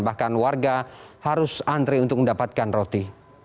bahkan warga harus antre untuk mendapatkan roti